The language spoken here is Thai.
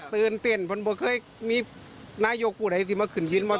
ตื่นเต้นผมไม่เคยมีนายกผู้ใดที่มาขึ้นวิทย์มอเตอร์ไซต์